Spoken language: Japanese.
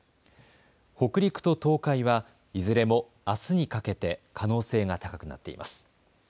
北陸と東海は、いずれもあすにかけて可能性が高くなっています。